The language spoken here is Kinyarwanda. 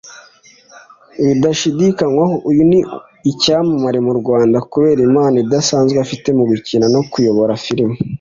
Bidashidikanwaho uyu ni icyamamare mu Rwanda kubera impano idasanzwe afite mu gukina no kuyobora filime